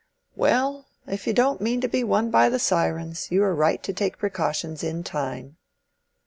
"Well, if you don't mean to be won by the sirens, you are right to take precautions in time."